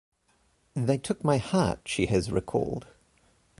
"They took my heart", she has recalled.